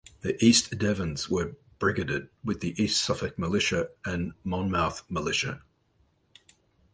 The East Devons were brigaded with the East Suffolk Militia and Monmouth Militia.